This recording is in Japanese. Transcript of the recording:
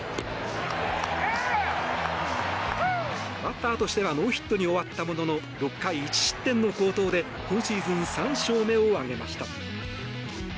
バッターとしてはノーヒットに終わったものの６階１失点の好投で今シーズン３勝目を挙げました。